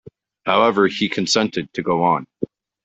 However, he consented to go on.